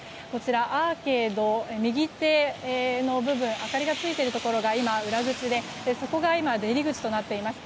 アーケードの右手の部分明かりがついているところが今、裏口で、そこが今出入り口となっています。